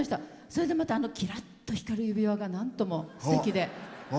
それで、またきらっと光る指輪がなんともすてきで。